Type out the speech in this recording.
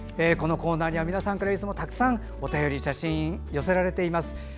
このコーナーには皆さんからいつもたくさんお便り、写真寄せられています。